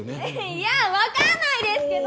いや分かんないですけど。